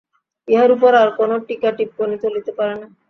ইহার উপর আর কোন টীকা-টিপ্পনী চলিতে পারে না।